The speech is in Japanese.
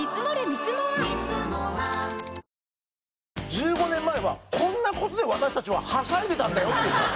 １５年前はこんな事で私たちははしゃいでたんだよっていう。